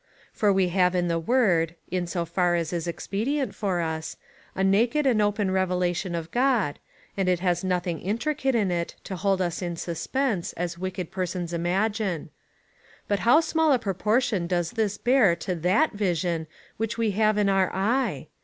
For we have in the word (in so far as is ex pedient for us) a naked and open revelation of God, and it has nothing intricate in it, to hold us in suspense, as wicked persons imagine ;^ but how small a j)roportion does this bear to that vision, which we have in our eye